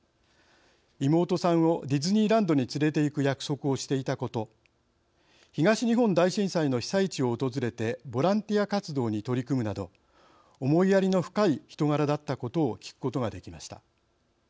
妹さんをディズニーランドに連れていく約束をしていたこと東日本大震災の被災地を訪れてボランティア活動に取り組むなど思いやりの深い人柄だったことを聞くことができました。